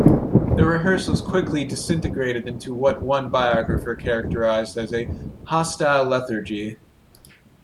The rehearsals quickly disintegrated into what one biographer characterised as a "hostile lethargy".